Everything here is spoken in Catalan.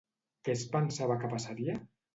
Què es pensava que passaria?